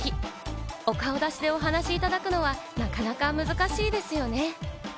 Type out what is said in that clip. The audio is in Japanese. お顔出しでお話いただくのはなかなか難しいですよね。